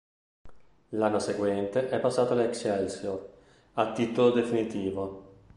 L'anno seguente è passato all'Excelsior, a titolo definitivo.